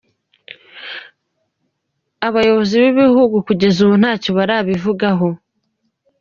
Abategetsi b’igihugu gushika ubu nta co barabivugako.